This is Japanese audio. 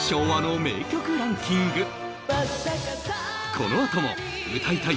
このあとも歌いたい！